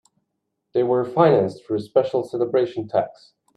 They were financed through a special celebration tax.